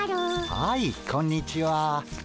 はいこんにちは。